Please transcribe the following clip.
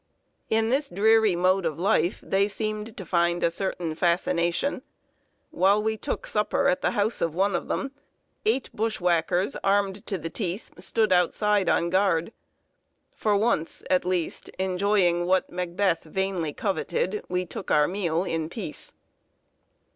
In this dreary mode of life they seemed to find a certain fascination. While we took supper at the house of one of them, eight bushwhackers, armed to the teeth, stood outside on guard. For once, at least, enjoying what Macbeth vainly coveted, we took our meal in peace.